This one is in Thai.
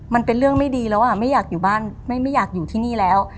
มันเป็นเรื่องไม่ดีแล้วอ่ะไม่อยากอยู่บ้านไม่อยากอยู่ที่นี่แล้ว